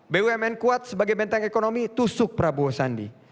bumn kuat sebagai benteng ekonomi tusuk prabowo sandi